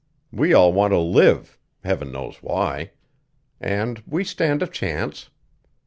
We all want to live; Heaven knows why. And we stand a chance.